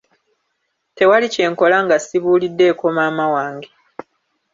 Tewali kyenkola nga sibuuliddeeko maama wange.